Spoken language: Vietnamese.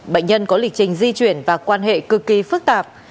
bệnh nhân có lịch trình di chuyển và quan hệ cực kỳ phức tạp